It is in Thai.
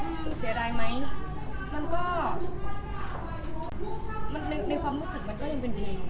ถึงยังไงก็ตามมันก็ยังเจียบ